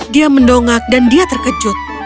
dia mendongak dan dia terkejut